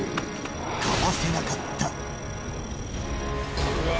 かわせなかった。